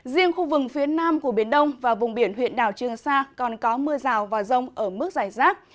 riêng khu vực phía nam của biển đông và vùng biển huyện đảo trường sa còn có mưa rào và rông ở mức dài rác